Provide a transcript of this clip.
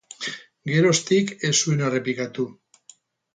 Geroztik ez zuen errepikatu.